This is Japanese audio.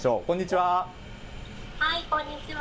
はい、こんにちは。